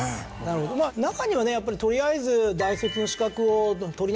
中にはねやっぱりとりあえず大卒の資格を取りなさい